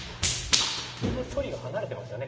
この距離が離れてますよね